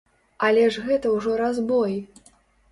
Але ж гэта ўжо разбой!